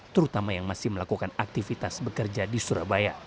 terutama yang masih melakukan aktivitas bekerja di surabaya